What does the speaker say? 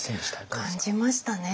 感じましたね。